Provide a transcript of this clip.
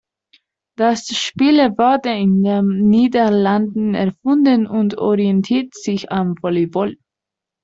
Das Spiel wurde in den Niederlanden erfunden und orientiert sich am Volleyball.